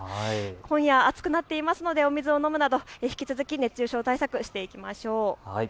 今夜、暑くなっていますのでお水を飲むなど引き続き熱中症対策をしていきましょう。